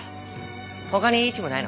他にいいチームないの？